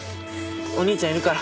お兄ちゃんいるから。